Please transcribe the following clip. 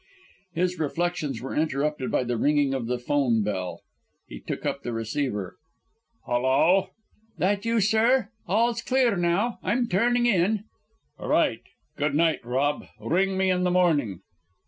His reflections were interrupted by the ringing of the 'phone bell. He took up the receiver. "Hullo!" "That you, sir? All's clear here, now. I'm turning in." "Right. Good night, Rob. Ring me in the morning."